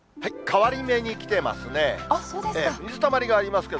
変わり目に来てますね。